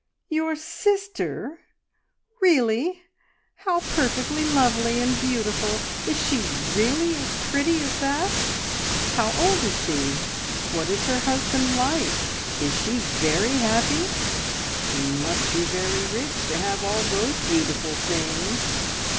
"Your sister? Really! How per fectly lovely and beautiful! Is she really as pretty as that? How old is she? What is her husband like? Is she very happy? She must be very rich to have all those beautiful things."